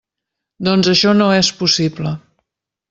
Doncs això no és possible.